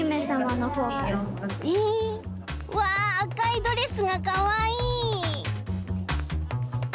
へえわああかいドレスがかわいい。